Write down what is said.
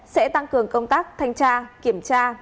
sẽ tăng cường công tác thanh tra kiểm tra